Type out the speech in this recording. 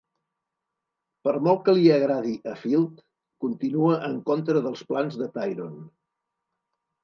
Per molt que li agradi a Field, continua en contra dels plans de Tyronne.